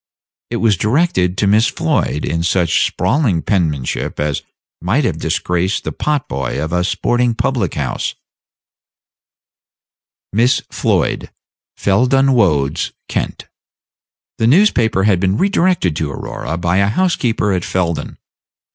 It was directed to Miss Floyd, in such sprawling penmanship as might have disgraced the pot boy of a sporting public house: "MISS FLOID, fell dun wodes, kent." The newspaper had been redirected to Aurora by the housekeeper at Felden.